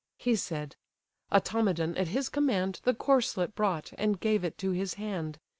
He said: Automedon at his command The corslet brought, and gave it to his hand.